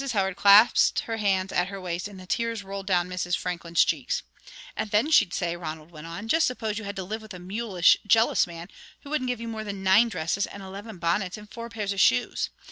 Howard clasped her hands at her waist and the tears rolled down Mrs. Franklin's cheeks. "And then she'd say," Ronald went on, "'Just suppose you had to live with a mulish, jealous man who wouldn't give you more than nine dresses and eleven bonnets and four pairs of shoes.